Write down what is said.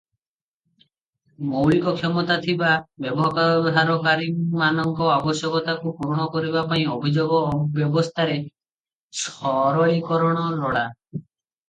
ମୌଳିକ ଦକ୍ଷତା ଥିବା ବ୍ୟବହାରକାରୀମାନଙ୍କ ଆବଶ୍ୟକତାକୁ ପୂରଣ କରିବା ପାଇଁ ଅଭିଯୋଗ ବ୍ୟବସ୍ଥାର ସରଳୀକରଣ ଲୋଡ଼ା ।